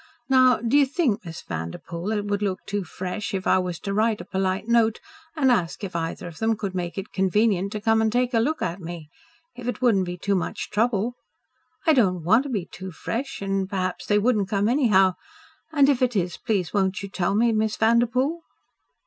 Now do you think, Miss Vanderpoel, it would look too fresh if I was to write a polite note and ask if either of them could make it convenient to come and take a look at me, if it wouldn't be too much trouble. I don't WANT to be too fresh and perhaps they wouldn't come anyhow and if it is, please won't you tell me, Miss Vanderpoel?"